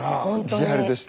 ほんとに。